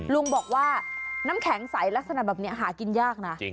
ลุงบอกว่าน้ำแข็งใสลักษณะแบบนี้หากินยากนะ